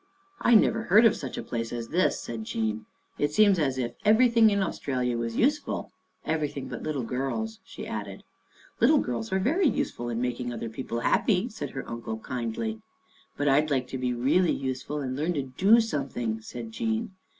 " I never heard of such a place as this," said Jean. " It seems as if everything in Australia was useful. Everything but little girls," she added. " Little girls are very useful in making other people happy," said her uncle kindly. " But I'd like to be really useful and learn to do something," said Jean.